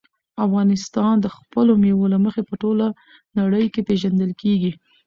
افغانستان د خپلو مېوو له مخې په ټوله نړۍ کې پېژندل کېږي.